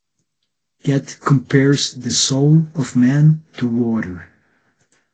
Goethe compares the soul of man to water.